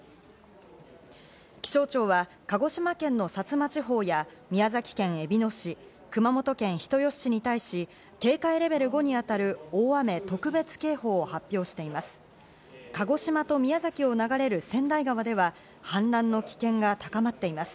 気象庁は鹿児島県の薩摩地方や、宮崎県えびの市、熊本県人吉市対し警戒レベル５にあたる大雨特別警報を発表しています。